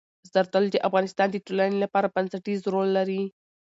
زردالو د افغانستان د ټولنې لپاره بنسټيز رول لري.